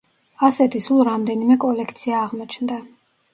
ასეთი სულ რამდენიმე კოლექცია აღმოჩნდა.